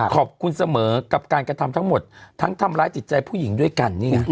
ขอบคุณเสมอกับการกระทำทั้งหมดทั้งทำร้ายจิตใจผู้หญิงด้วยกันนี่ไง